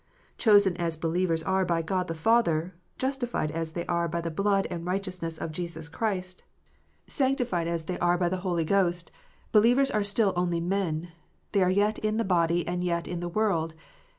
Chosen as believers are by God the Father, justified as they are by the blood and righteousness of Jesus Christ, sanctified as they are PHARISEES AND SADDUCEES. 327 by the Holy Ghost, believers are still only men : they are yet in the body, and yet in the world.